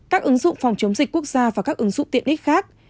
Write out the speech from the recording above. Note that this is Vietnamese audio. các ứng dụng phòng chống dịch quốc gia và các ứng dụng tiện ích khác